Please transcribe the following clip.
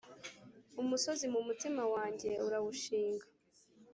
Umusozi mumutima wanjye urawushinga